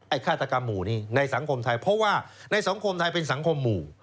ฆาตกรรมหมู่นี้ในสังคมไทยเพราะว่าในสังคมไทยเป็นสังคมหมู่